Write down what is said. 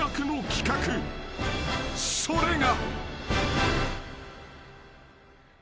［それが］